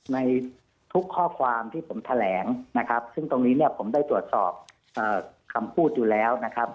ในทุกข้อความที่ผมแถลงนะครับซึ่งตรงนี้เนี่ยผมได้ตรวจสอบคำพูดอยู่แล้วนะครับ